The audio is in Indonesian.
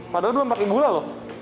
padahal dulu pakai gula loh